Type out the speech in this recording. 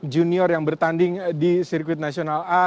junior yang bertanding di sirkuit nasional a